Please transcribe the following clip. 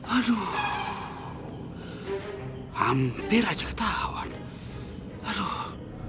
aduh hampir aja ketahuan aduh